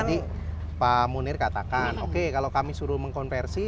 tadi pak munir katakan oke kalau kami suruh mengkonversi